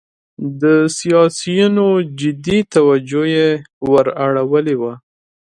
د سیاسینو جدي توجه یې وراړولې وه.